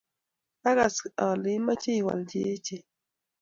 Kakas ale imeche iwal che echen